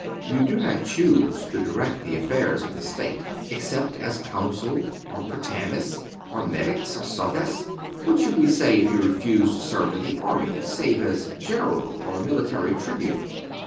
You do not choose to direct the affairs of the state except as consul or prytanis ^ or meddix ^ or sufes :^ what should we say if you refused to serve in the army save as general or mili tary tribune